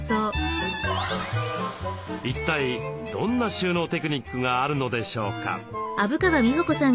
一体どんな収納テクニックがあるのでしょうか？